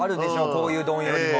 こういうどんよりも。